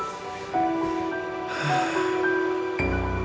sampai jumpa lagi